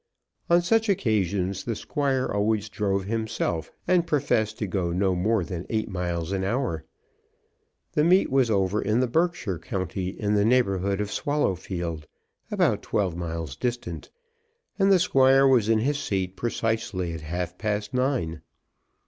On such occasions the Squire always drove himself, and professed to go no more than eight miles an hour. The meet was over in the Berkshire county in the neighbourhood of Swallowfield, about twelve miles distant, and the Squire was in his seat precisely at half past nine.